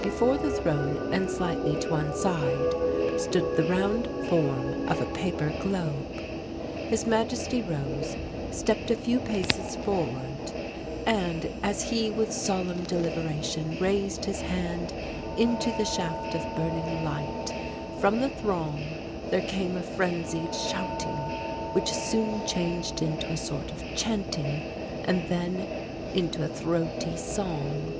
Before the throne and slightly to one side stood the round form of a paper globe. His Majesty rose, stepped a few paces forward; and, as he with solemn deliberation raised his hand into the shaft of burning light, from the throng there came a frenzied shouting, which soon changed into a sort of chanting and then into a throaty song.